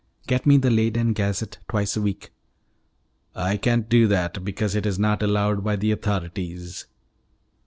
"Get me the Leyden Gazette twice a week." "I can't do that, because it is not allowed by the authorities."